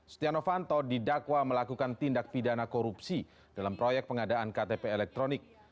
setia novanto didakwa melakukan tindak pidana korupsi dalam proyek pengadaan ktp elektronik